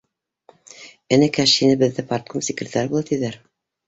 — Энекәш, һине беҙҙә парткум секретары була, тиҙәр